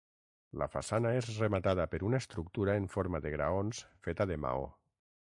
La façana és rematada per una estructura en forma de graons feta de maó.